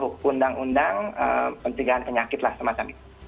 untuk hukum undang undang penjagaan penyakit lah semacam itu